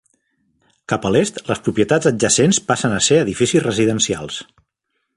Cap a l'est, les propietats adjacents passen a ser edificis residencials.